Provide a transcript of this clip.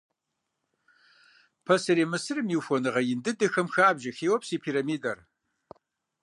Пасэрей Мысырым и ухуэныгъэ нэхъ ин дыдэхэм хабжэ Хеопс и пирамидэр.